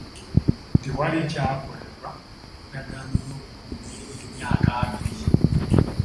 Tewali kyakolebwa ku ndagaano y'obukuumi ey'emyaka abiri.